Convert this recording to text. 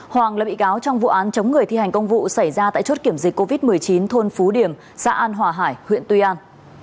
hoàng là bị cáo trong vụ án chống người thi hành công vụ xảy ra tại chốt kiểm dịch covid một mươi chín thôn phú điểm xã an hòa hải huyện tuy an